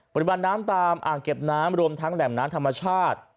ปริมาณน้ำตามอ่างเก็บน้ำรวมทั้งแหล่งน้ำธรรมชาติ